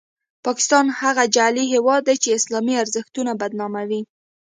پاکستان هغه جعلي هیواد دی چې اسلامي ارزښتونه بدناموي.